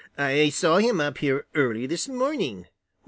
"I saw him up here early this morning.